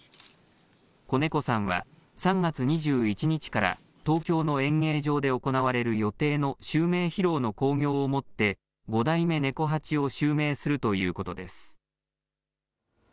小猫さんは３月２１日から東京の演芸場で行われる予定の襲名披露の興行をもって、五代目猫八を襲名するということです。